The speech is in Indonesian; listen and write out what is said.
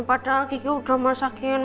padahal gigi udah masakin